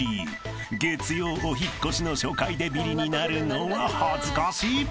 ［月曜お引っ越しの初回でビリになるのは恥ずかしい］